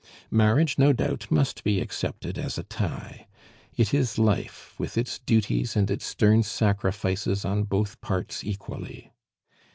Marriage, no doubt, must be accepted as a tie; it is life, with its duties and its stern sacrifices on both parts equally.